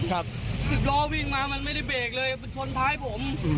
รถวิ่งมามันไม่ได้เบรกเลยชนท้ายผม